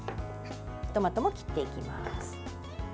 トマトも切っていきます。